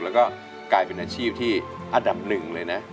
แล้วก็กลายเป็นอาชีพที่อันดับหนึ่งเลยนะ